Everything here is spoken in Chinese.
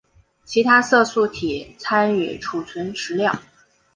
其他色素体参与储存食料。